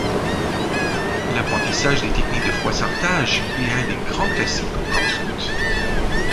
L'apprentissage des techniques de froissartage est un des grands classiques en camp scout.